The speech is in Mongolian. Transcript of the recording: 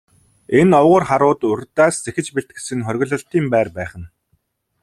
Энэ овгор харууд урьдаас зэхэж бэлтгэсэн хориглолтын байр байх нь.